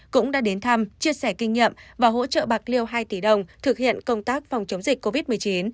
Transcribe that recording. cũng đã đến thăm chia sẻ kinh nghiệm và hỗ trợ bạc liêu hai tỷ đồng thực hiện công tác phòng chống dịch covid một mươi chín